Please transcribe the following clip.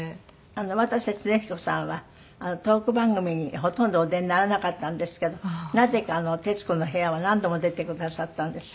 渡瀬恒彦さんはトーク番組にほとんどお出にならなかったんですけどなぜか『徹子の部屋』は何度も出てくださったんですよ。